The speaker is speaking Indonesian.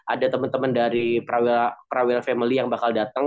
ada temen temen dari prawira family yang bakal dateng